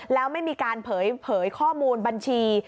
แล้วไม่มีการเผยข้อมูลบัญชี